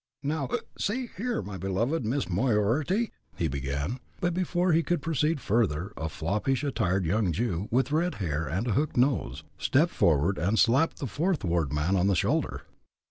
"Now, (hic) see here, my beloved Miss Moriarty," he began, but before he could proceed further, a foppishly attired young Jew, with red hair and a hooked nose, stepped forward and slapped the Fourth Ward man on the shoulder.